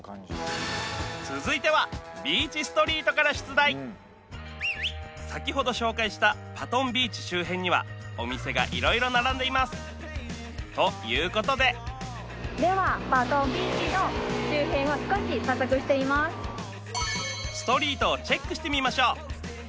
続いてはビーチストリートから出題先ほど紹介したパトン・ビーチ周辺にはお店が色々並んでいますということでストリートをチェックしてみましょう！